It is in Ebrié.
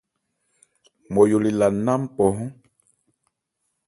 Nmɔyo le la nná mpɔhɔ́n.